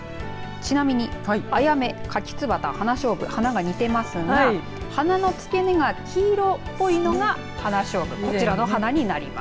ちなみにアヤメ、カキツバタ花しょうぶ花が似ていますが、花の付け根が黄色っぽいのが花しょうぶこちらの花になります。